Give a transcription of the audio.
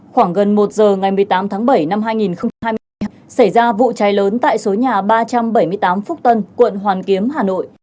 khoảng gần một giờ ngày một mươi tám tháng bảy năm hai nghìn hai mươi xảy ra vụ cháy lớn tại số nhà ba trăm bảy mươi tám phúc tân quận hoàn kiếm hà nội